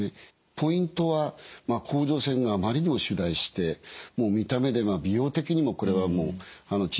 ポイントは甲状腺があまりにも腫大してもう見た目で美容的にもこれはもう小さくした方がいいという方。